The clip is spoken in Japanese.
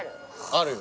あるよ。